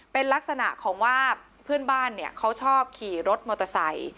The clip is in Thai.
เป็นลักษณะของว่าเพื่อนบ้านเนี่ยเขาชอบขี่รถมอเตอร์ไซค์